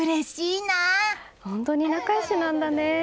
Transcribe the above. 本当に仲良しなんだね。